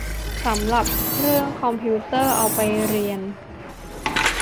สำหรับเครื่องคอมพิวเตอร์เอาไปเรียน